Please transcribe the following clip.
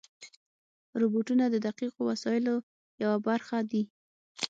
روبوټونه د دقیقو وسایلو یوه برخه دي.